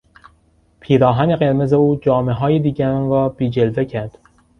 پیراهن قرمز او جامههای دیگران را بی جلوه کرد.